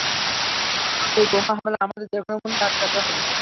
এই বোমা হামলা আমাদের যেকোন মূল্যে আটকাতে হবে।